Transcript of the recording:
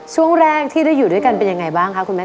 ช่วงแรกที่ได้อยู่ด้วยกันเป็นยังไงบ้างคะคุณแม่